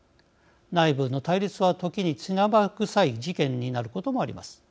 内部の対立は、時に血生臭い事件になることもあります。